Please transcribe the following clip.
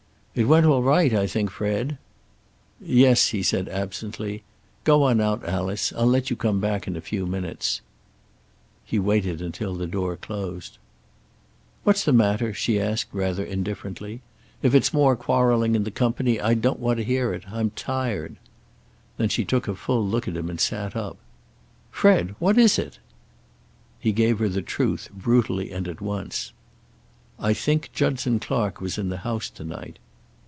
"It went all right, I think, Fred." "Yes," he said absently. "Go on out, Alice. I'll let you come back in a few minutes." He waited until the door closed. "What's the matter?" she asked rather indifferently. "If it's more quarreling in the company I don't want to hear it. I'm tired." Then she took a full look at him, and sat up. "Fred! What is it?" He gave her the truth, brutally and at once. "I think Judson Clark was in the house to night."